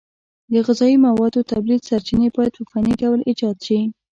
د غذایي موادو تولید سرچینې باید په فني ډول ایجاد شي.